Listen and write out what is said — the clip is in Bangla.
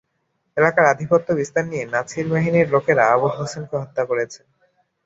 এলাকায় আধিপত্য বিস্তার নিয়ে নাছির বাহিনীর লোকেরা আবুল হোসেনকে হত্যা করেছে।